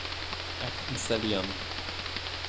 App installieren.